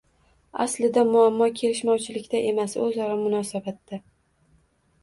Aslida muammo kelishmovchilikda emas, o‘zaro munosabatda.